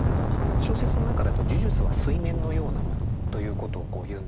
小説の中だと呪術は水面のようなものということを言うんですけれど。